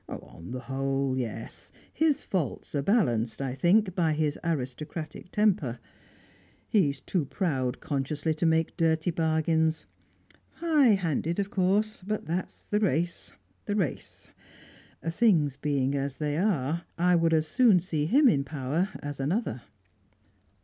On the whole, yes. His faults are balanced, I think, by his aristocratic temper. He is too proud consciously to make dirty bargains. High handed, of course; but that's the race the race. Things being as they are, I would as soon see him in power as another."